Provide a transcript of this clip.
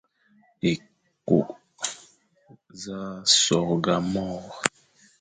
Ékô z a sôrga môr,